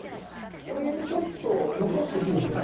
これをちょっと残して切るんですよね。